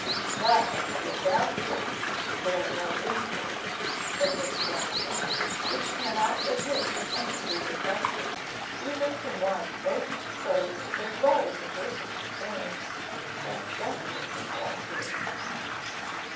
"That must be a bad case which can bear no inquiry," said Miss Clarendon; "which cannot admit any further question, even from one most disposed to think well of the person concerned a desperately bad case."